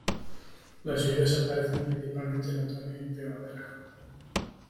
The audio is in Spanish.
Las lluvias aparecen principalmente en otoño y primavera.